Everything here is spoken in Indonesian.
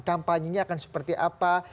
kampanye nya akan seperti apa